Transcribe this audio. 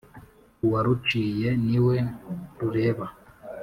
uwâruciye niwe rureba